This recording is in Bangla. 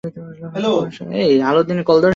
হয়তো, কুয়াশা ভেদ করে পরিষ্কার জায়গায় আমরা আসতে পারবো!